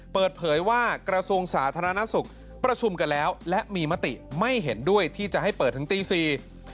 เปิดเผยว่ากระทรวงสาธารณสุขประชุมกันแล้วและมีมติไม่เห็นด้วยที่จะให้เปิดถึงตีสี่